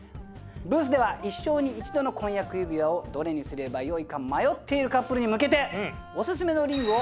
ブースでは一生に一度の婚約指輪をどれにすればよいか迷っているカップルに向けて。